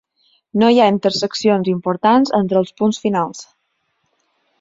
No hi ha interseccions importants entre els punts finals.